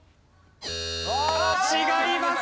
違います！